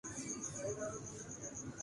بیشتر دنیائے اسلام میں نہیں ملتی۔